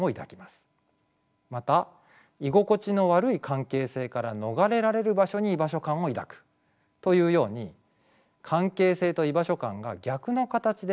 また居心地の悪い関係性から逃れられる場所に居場所感を抱くというように関係性と居場所感が逆の形でつながっていることもあるでしょう。